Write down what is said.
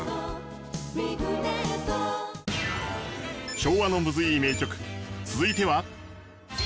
昭和のムズいい名曲続いては。